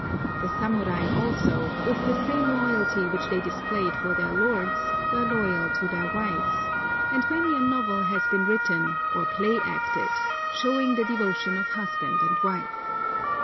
The samurai also, with the same loyalty which they displayed for their lords, were loyal to their wives, and many a novel has been written, or play acted, showing the devotion of husband and wife.